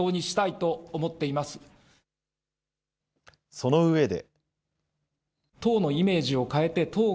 そのうえで。